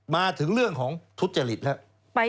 มาถึงเรื่องของทุจริตแล้ว